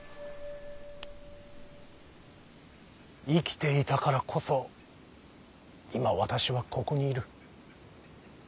生きていたからこそ今私はここにいる。